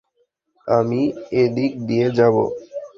আমি এদিক দিয়ে যাবো।